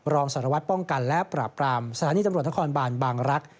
รองสารวัตรป้องกันและปราบปรามสถานีตำรวจนครบานบางรักษ